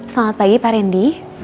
selamat pagi pak rendy